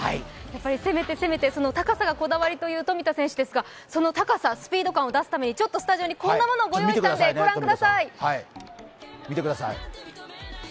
攻めて攻めて、高さがこだわりという冨田選手ですがその高さ、スピード感を出すために、スタジオにこんなものをご用意したので、御覧ください。